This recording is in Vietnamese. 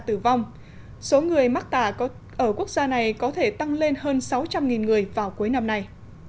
tử vong số người mắc tà ở quốc gia này có thể tăng lên hơn sáu trăm linh người vào cuối năm nay